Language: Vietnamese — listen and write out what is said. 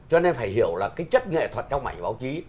cho nên phải hiểu là cái chất nghệ thuật trong ảnh báo chí